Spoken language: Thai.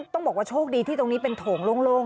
ต้องบอกว่าโชคดีที่ตรงนี้เป็นโถงโล่ง